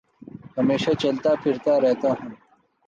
ہمیشہ چلتا پھرتا رہتا ہوں